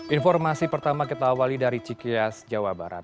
informasi pertama kita awali dari cikias jawa barat